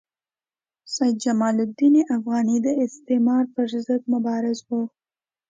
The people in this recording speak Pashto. سید جمال الدین افغاني د استعمار پر ضد مبارز وو.